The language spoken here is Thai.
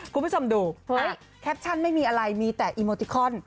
คุณผู้ชมดูเฮ้ยแคปชั่นไม่มีอะไรมีแต่อีโมติคอน